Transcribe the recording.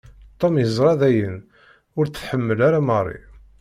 Tom yeẓra dayen ur t-tḥemmel ara Marie.